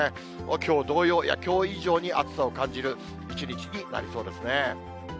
きょう同様、いや、きょう以上に暑さを感じる一日になりそうですね。